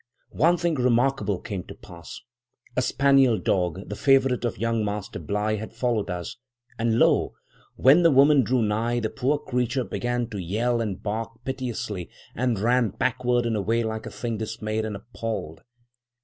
One thing remarkable came to pass. A spaniel dog, the favourite of young Master Bligh, had followed us, and lo! when the woman drew nigh, the poor creature began to yell and bark piteously, and ran backward and away, like a thing dismayed and appalled.